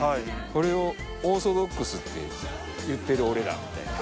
「これをオーソドックスって言ってる俺ら」みたいな。